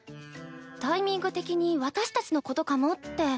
タイミング的に私たちのことかもって。